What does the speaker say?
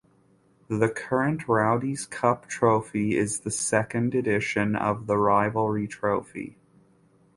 The current Rowdies Cup trophy is the second edition of the rivalry trophy.